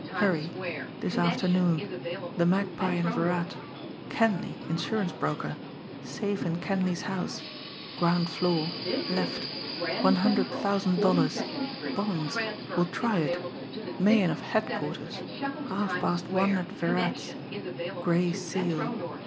hurry ... this afternoon ... the Magpie and Virat ... Kenleigh, insurance broker ... safe in Kenleigh's house ... ground floor left ... one hundred thousand dollars ... bonds ... will try it ... Meighan of headquarters ... half past one at Virat's ... Gray Seal